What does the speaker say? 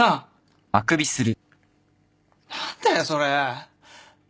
何だよそれ。